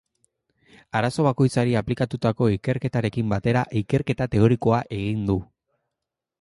Arazo bakoitzari aplikatutako ikerketarekin batera, ikerketa teorikoa egin du.